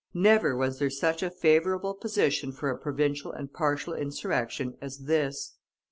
Never was there such a favorable position for a provincial and partial insurrection as this.